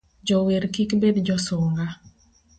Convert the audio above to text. Jower kik bed josunga